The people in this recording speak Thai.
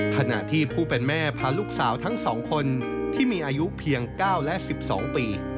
ขณะที่ผู้เป็นแม่พาลูกสาวทั้ง๒คนที่มีอายุเพียง๙และ๑๒ปี